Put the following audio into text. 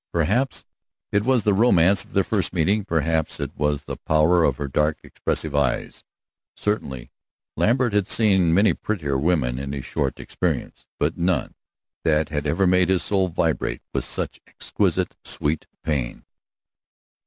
Perhaps it was the romance of their first meeting; perhaps it was the power of her dark, expressive eyes. Certainly Lambert had seen many prettier women in his short experience, but none that ever made his soul vibrate with such exquisite, sweet pain.